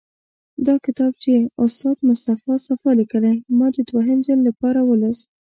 دا کتاب چې استاد مصطفی صفا لیکلی، ما د دوهم ځل لپاره ولوست.